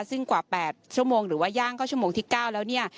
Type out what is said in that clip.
ซึ่งกว่า๘ชั่วโมงหรือว่าย่างเข้าชั่วโมงที่๙แล้วเนี่ย